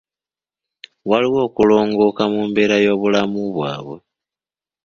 Waliwo okulongooka mu mbeera y'obulamu bwabwe.